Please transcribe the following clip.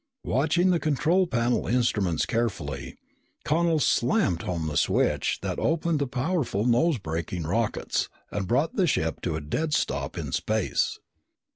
Watching the control panel instruments carefully, Connel slammed home the switch that opened the powerful nose braking rockets and brought the ship to a dead stop in space.